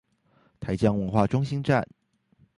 台江文化中心站